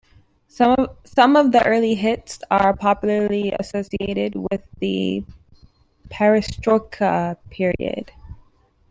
Some of their early hits are popularly associated with the Perestroika period.